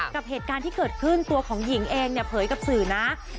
กับเหตุการณ์ที่เกิดขึ้นตัวของหญิงเองเนี่ยเผยกับสื่อนะ